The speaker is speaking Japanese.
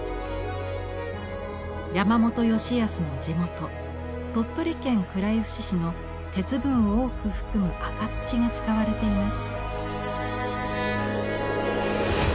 山本佳靖の地元鳥取県倉吉市の鉄分を多く含む赤土が使われています。